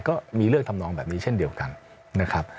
ก็มีเรื่องทำนองแบบนี้เช่นเดียวกันนะครับ